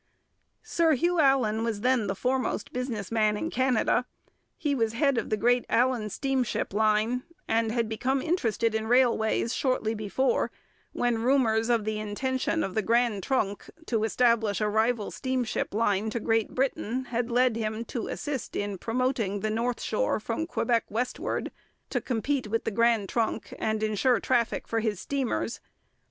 Sir Hugh Allan was then the foremost business man in Canada. He was head of the great Allan steamship line, and had become interested in railways shortly before, when rumours of the intention of the Grand Trunk to establish a rival steamship line to Great Britain had led him to assist in promoting the North Shore from Quebec westward, to compete with the Grand Trunk and ensure traffic for his steamers.